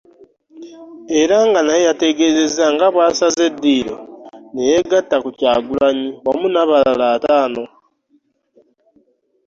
Era nga naye yategeezezza nga bw'asaze eddiiro ne yeegatta ku Kyagulanyi wamu n'abalala ataano